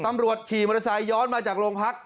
ขี่มอเตอร์ไซค์ย้อนมาจากโรงพัก